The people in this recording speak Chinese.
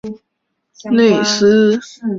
同年他加入意甲的乌迪内斯。